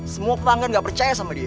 semua pelanggan gak percaya sama dia